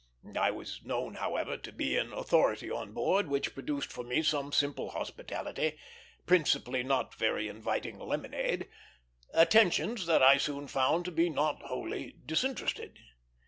I was known, however, to be in authority on board, which produced for me some simple hospitality, principally not very inviting lemonade attentions that I soon found to be not wholly disinterested.